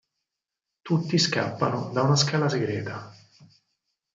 Tutti scappano da una scala segreta.